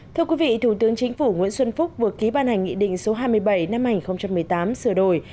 thưa quý vị thủ tướng chính phủ nguyễn xuân phúc vừa ký ban hành nghị định số hai mươi bảy năm hai nghìn một mươi tám sửa đổi